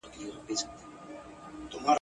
په همزولو په سیالانو کي منلې ..